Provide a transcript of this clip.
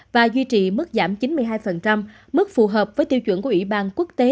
và duy trì mức giảm chín mươi hai mức phù hợp với tiêu chuẩn của ủy ban quốc tế